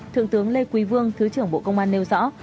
thượng tướng lê quý vương thứ trưởng bộ công an nêu rõ